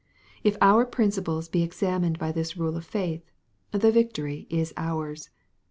If our principles be examined by this rule of faith, the victory is ours.